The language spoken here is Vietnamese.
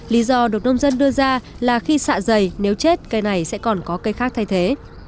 lý do được nông dân đưa ra là khi xạ dày nếu chết cây này sẽ còn có cây khác thay thế